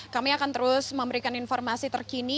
kami akan terus memberikan informasi terkini